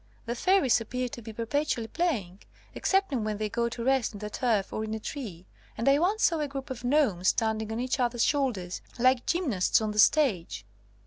The fairies appear to be perpetually playing, excepting when they go to rest on the turf or in a tree, and I once saw a group of gnomes standing on each others' shoulders, like gymnasts on the stage.